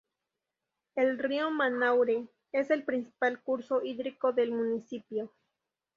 El río Manaure, es el principal curso hídrico del Municipio.